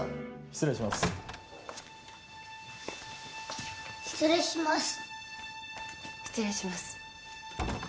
失礼します。